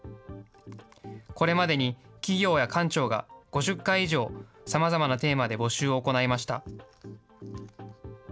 これまでに企業や官庁が５０回以上、さまざまなテーマで募集を行いました。